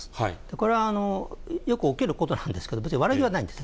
これはよく起きることなんですけど、別に悪気はないんです。